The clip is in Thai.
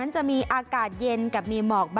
จะมีอากาศเย็นกับมีหมอก